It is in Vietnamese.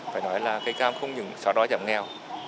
phải nói là cây cam không chỉ giảm nghèo